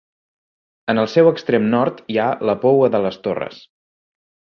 En el seu extrem nord hi ha la Poua de les Torres.